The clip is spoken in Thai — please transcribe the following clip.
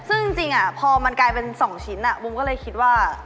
ซึ่งจริงพอมันกลายเป็น๒ชิ้นบูมก็เลยคิดว่า